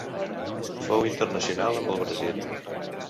Fou internacional amb el Brasil.